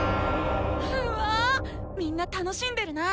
うわぁみんな楽しんでるな。